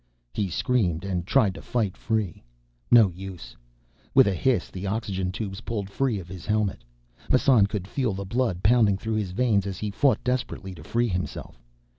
He screamed and tried to fight free. No use. With a hiss, the oxygen tubes pulled free of his helmet. Massan could feel the blood pounding through his veins as he fought desperately to free himself.